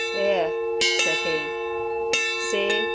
"Erh," said he, "see!